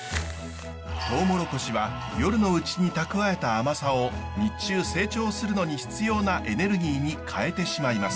トウモロコシは夜のうちに蓄えた甘さを日中成長するのに必要なエネルギーに変えてしまいます。